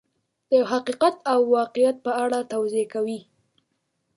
د یو حقیقت او واقعیت په اړه توضیح کوي.